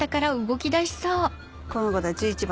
この子だ１１番。